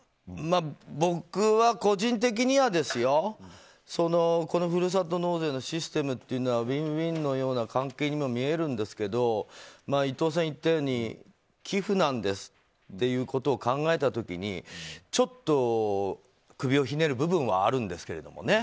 僕は個人的にはこのふるさと納税のシステムというのはウィンウィンのような関係にも見えるんですが伊藤さん言ったように寄付ということを考えた時にちょっと首をひねる部分はあるんですけどね。